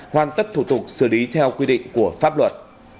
hoàn tất thủ tục xử lý theo quy định của pháp luật